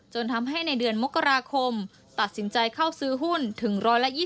ทำให้ในเดือนมกราคมตัดสินใจเข้าซื้อหุ้นถึง๑๒๐